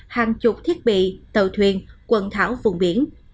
hàng chục thiết bị tàu thuyền quần đảo vùng biển